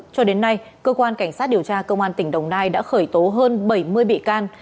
cho đến nay cơ quan cảnh sát điều tra công an tỉnh đồng nai đã khởi tố hơn bảy mươi bị can